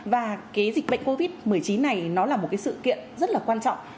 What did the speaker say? và cái dịch bệnh covid một mươi chín này nó là một cái sự kiện rất là quan trọng